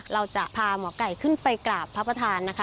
เราจะพาหมอไก่ขึ้นไปกราบพระประธานนะคะ